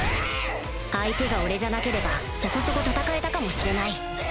相手が俺じゃなければそこそこ戦えたかもしれない